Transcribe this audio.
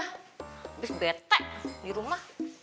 habis bete di rumah